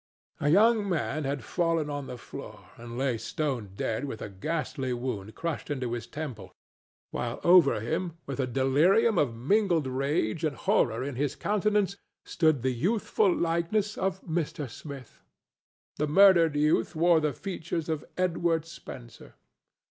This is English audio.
A young man had fallen on the floor, and lay stone dead with a ghastly wound crushed into his temple, while over him, with a delirium of mingled rage and horror in his countenance, stood the youthful likeness of Mr. Smith. The murdered youth wore the features of Edward Spencer.